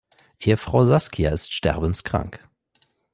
Ehefrau Saskia ist sterbenskrank.